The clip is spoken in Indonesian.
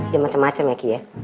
dia macem macem ya ki ya